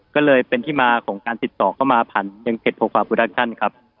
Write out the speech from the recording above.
ก็เลยเป็นที่มาของการติดต่อเข้ามาผ่านยังเพจโพฟาโปรดักชั่นครับ